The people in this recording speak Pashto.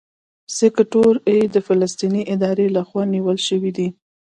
سیکټور اې د فلسطیني ادارې لخوا نیول شوی دی.